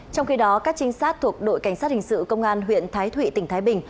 trong khi đó các trinh sát thuộc đội cảnh sát hình sự công an huyện thái thụy tỉnh thái bình